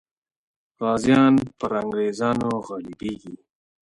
غازیان پر انګریزانو غالبېږي.